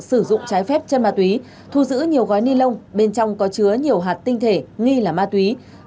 sử dụng trái phép chân ma túy thu giữ nhiều gói ni lông bên trong có chứa nhiều hạt tinh thể nghi là ma túy